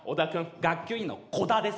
学級委員の「こだ」です。